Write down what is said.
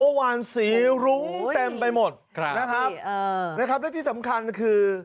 บัวหวานสีหรุ้งเต็มไปหมดนะครับและที่สำคัญคือ